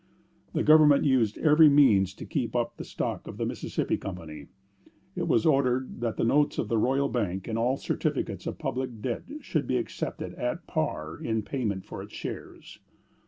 The government used every means to keep up the stock of the Mississippi Company. It was ordered that the notes of the royal bank and all certificates of public debt should be accepted at par in payment for its shares.